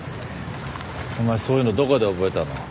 お前そういうのどこで覚えたの？